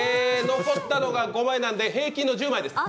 残ったのが５枚なので平均の１０枚です。